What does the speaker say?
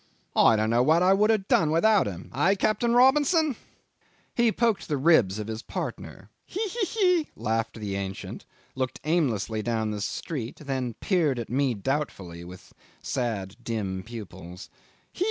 I don't know what I would have done without him. Hey! Captain Robinson." 'He poked the ribs of his partner. "He! he! he!" laughed the Ancient, looked aimlessly down the street, then peered at me doubtfully with sad, dim pupils. ... "He! he! he!"